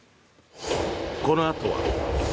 このあとは。